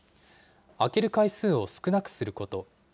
開ける回数を少なくすること。